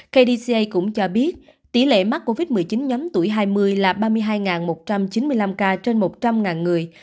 kdca cũng cho biết tỷ lệ mắc covid một mươi chín nhóm tuổi hai mươi là ba mươi hai một trăm chín mươi năm ca trên một trăm linh người